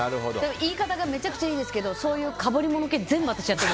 言い方がめちゃくちゃいいですけどそういう被り物系全部私がやってる。